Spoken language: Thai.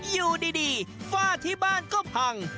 อยู่ดีฝ้าที่บ้านก็พัง